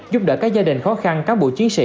giúp đỡ các gia đình khó khăn cán bộ chiến sĩ